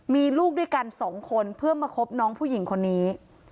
มีลูกด้วยกันสองคนเพื่อมาคบน้องผู้หญิงคนนี้